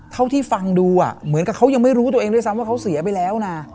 เท่าที่ฟังดูเหมือนกับเขายังไม่รู้ตัวเองด้วยซ้ำว่าเขาเสียไปแล้วนะ